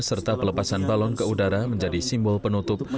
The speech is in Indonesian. serta pelepasan balon ke udara menjadi simbol penutup